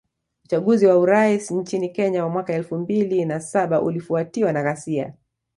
Uchaguzi wa urais nchini Kenya wa mwaka elfu mbili na saba ulifuatiwa na ghasia